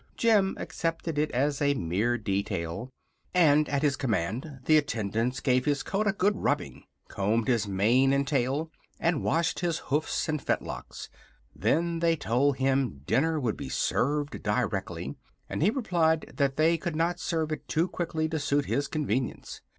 Jim accepted it as a mere detail, and at his command the attendants gave his coat a good rubbing, combed his mane and tail, and washed his hoofs and fetlocks. Then they told him dinner would be served directly and he replied that they could not serve it too quickly to suit his convenience.